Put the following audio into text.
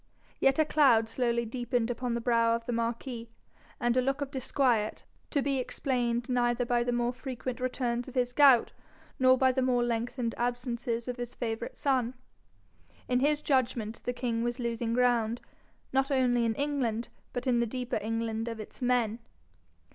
Yet a cloud slowly deepened upon the brow of the marquis, and a look of disquiet, to be explained neither by the more frequent returns of his gout, nor by the more lengthened absences of his favourite son. In his judgment the king was losing ground, not only in England but in the deeper England of its men.